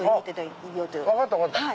分かった分かった。